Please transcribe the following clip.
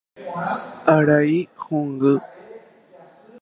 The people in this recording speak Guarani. Arai hũngy